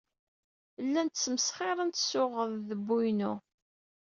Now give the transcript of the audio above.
Llant smesxirent s uɣdebbu-inu.